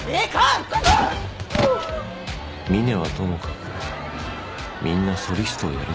峰はともかくみんなソリストをやる自信があるのか